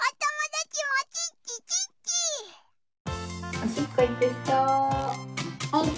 おしっこいくひと？